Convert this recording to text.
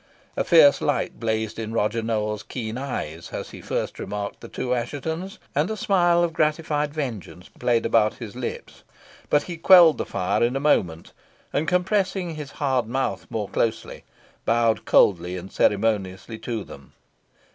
A fierce light blazed in Roger Nowell's keen eyes as he first remarked the two Asshetons, and a smile of gratified vengeance played about his lips; but he quelled the fire in a moment, and, compressing his hard mouth more closely, bowed coldly and ceremoniously to them.